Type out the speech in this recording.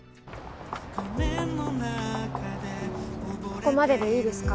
ここまででいいですか？